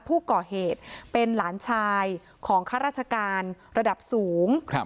ผู้ก่อเหตุเป็นหลานชายของข้าราชการระดับสูง